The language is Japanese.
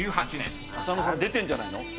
浅野さん出てんじゃないの？